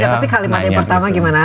tapi kalimat yang pertama gimana